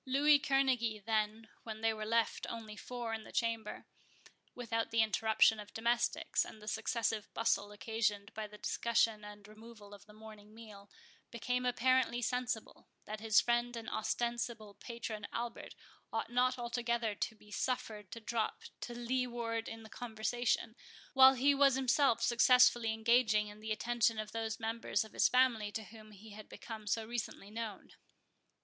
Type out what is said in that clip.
Louis Kerneguy then, when they were left only four in the chamber, without the interruption of domestics, and the successive bustle occasioned by the discussion and removal of the morning meal, became apparently sensible, that his friend and ostensible patron Albert ought not altogether to be suffered to drop to leeward in the conversation, while he was himself successfully engaging the attention of those members of his family to whom he had become so recently known.